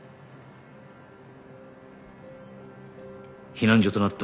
避難所となった